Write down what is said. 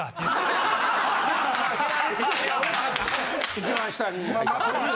一番下に。